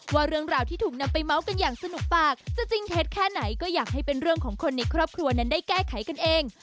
ว่าเรื่องราวที่ถูกนำไปเมาส์กันอย่างสนุกปากจะจริงเท็จแค่ไหนก็อยากให้เป็นเรื่องของคนในครอบครัวนั้นได้แก้ไขกันเอง